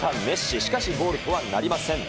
しかしゴールとはなりません。